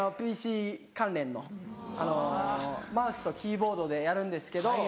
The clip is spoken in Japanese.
ＰＣ関連のマウスとキーボードでやるんですけど。